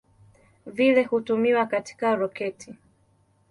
Vile hutumiwa katika roketi.